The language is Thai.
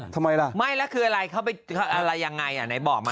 ทำไมล่ะไม่แล้วคืออะไรเข้าไปอะไรยังไงอ่ะ